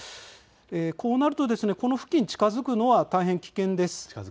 こうなるとこの付近に近づくのは大変危険です。